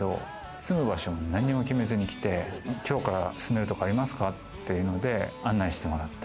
住む場所も何も決めずに来て、きょうから住めるとこありますかっていうので案内してもらった。